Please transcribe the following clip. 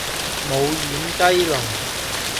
冇厴雞籠